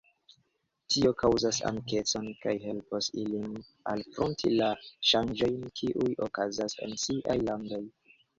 Tio kaŭzas amikecon kaj helpos ilin alfronti la ŝanĝojn, kiuj okazas en siaj landoj.